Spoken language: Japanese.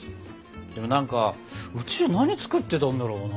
でも何かうちは何作ってたんだろうな。